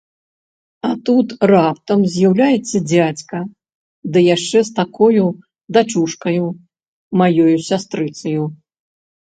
А тут раптам з'яўляецца дзядзька, ды яшчэ з такою дачушкаю, маёю сястрыцаю!